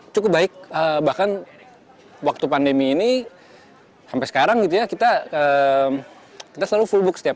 cukup baik bahkan waktu pandemi ini sampai sekarang gitu ya kita selalu full book setiap